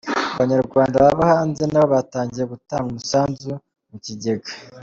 Abanyarwanda baba hanze nabo batangiye gutanga umusanzu mu kigega